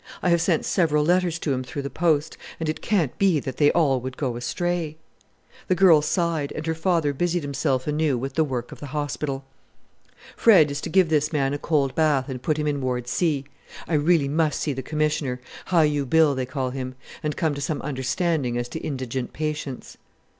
"I have sent several letters to him through the post; and it can't be that they all would go astray." The girl sighed, and her father busied himself anew with the work of the hospital. "Fred is to give this man a cold bath and put him in ward 'C.' I really must see the Commissioner Hi u Bill, they call him and come to some understanding as to indigent patients."